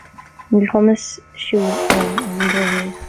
Níl cumas siúil agam, ar an drochuair.